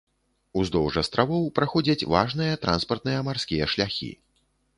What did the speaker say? Уздоўж астравоў праходзяць важныя транспартныя марскія шляхі.